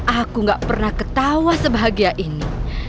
aku gak pernah ketawa sebahagia ini